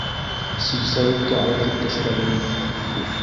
Силсәүитте алып киткәстәр ни...